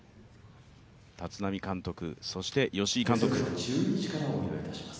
立浪監督、そして吉井監督。